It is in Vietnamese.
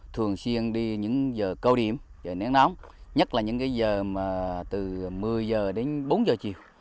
trong những giờ cao điểm nắng nóng nhất là những giờ từ một mươi h đến bốn h chiều